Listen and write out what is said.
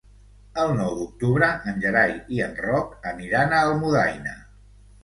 El nou d'octubre en Gerai i en Roc aniran a Almudaina.